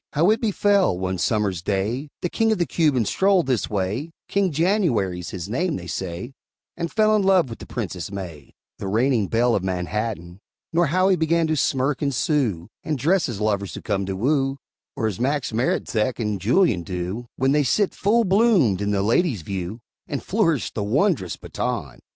How it befell, one summer's day, The king of the Cubans strolled this way King January's his name, they say And fell in love with the Princess May, The reigning belle of Manhattan; Nor how he began to smirk and sue, And dress as lovers who come to woo, Or as Max Maretzek and Julien do, When they sit full bloomed in the ladies' view, And flourish the wondrous baton.